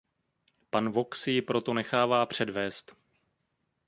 Pan Vok si ji proto nechává předvést.